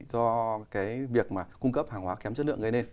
do cái việc mà cung cấp hàng hóa kém chất lượng gây nên